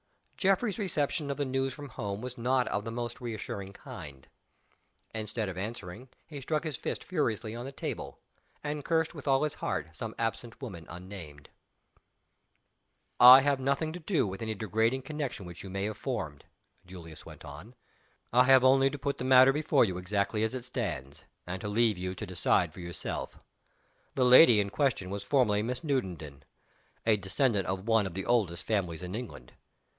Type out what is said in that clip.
Geoffrey's reception of the news from home was not of the most reassuring kind. Instead of answering he struck his fist furiously on the table, and cursed with all his heart some absent woman unnamed. "I have nothing to do with any degrading connection which you may have formed," Julius went on. "I have only to put the matter before you exactly as it stands, and to leave you to decide for yourself. The lady in question was formerly Miss Newenden a descendant of one of the oldest families in England.